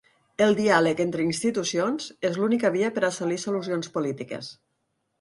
El diàleg entre institucions és l'única via per assolir solucions polítiques.